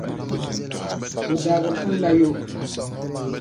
O daagi pun'la yo.